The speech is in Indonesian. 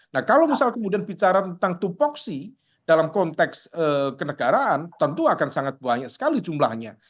nah kalau misal kemudian bicara tentang tupoksi dalam konteks kenegaraan tentu akan sangat banyak sekali jumlahnya